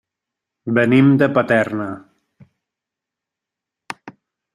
Venim de Paterna.